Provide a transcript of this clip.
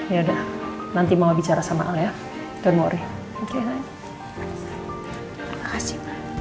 ya udah nanti mau bicara sama al ya dan mohon rugi